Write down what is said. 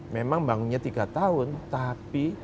memang bangunnya tiga tahun tapi